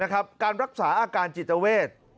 การรักษาอาการจิตเวท